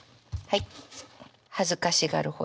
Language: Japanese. はい。